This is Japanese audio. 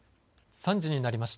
３時になりました。